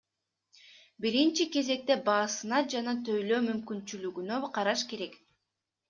Биринчи кезекте баасына жана тейлөө мүмкүнчүлүгүнө караш керек.